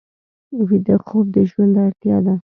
ویده خوب د ژوند اړتیا ده